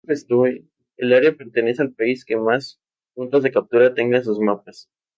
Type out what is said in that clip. Un área pertenece al país que más puntos de captura tenga en sus mapas.